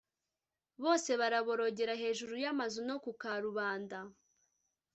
bose baraborogera hejuru y’amazu no ku karubanda.